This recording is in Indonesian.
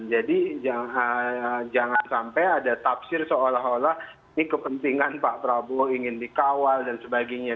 jadi jangan sampai ada tafsir seolah olah ini kepentingan pak bawo ingin dikawal dan sebagainya